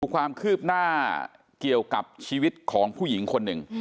ความคืบหน้าเกี่ยวกับชีวิตของผู้หญิงคนหนึ่ง